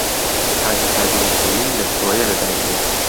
حاجی قادری کۆیی لە کۆیە لەدایک بوو.